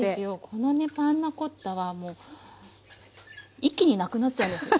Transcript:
このねパンナコッタはもう一気になくなっちゃうんですよ。